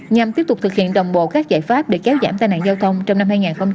nhằm tiếp tục thực hiện đồng bộ các giải pháp để kéo giảm tai nạn giao thông trong năm hai nghìn hai mươi